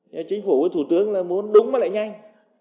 nhưng chính phủ với thủ tướng là muốn đúng mà lại nhanh